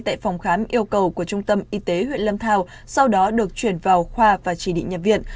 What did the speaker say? tại phòng khám yêu cầu của trung tâm y tế huyện lâm thao sau đó được chuyển vào khoa và chỉ định nhập viện